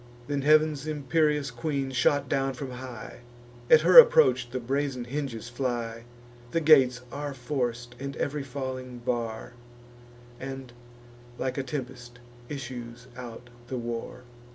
Then heav'n's imperious queen shot down from high: At her approach the brazen hinges fly; The gates are forc'd, and ev'ry falling bar; And, like a tempest, issues out the war.